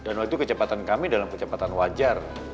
dan waktu kecepatan kami dalam kecepatan wajar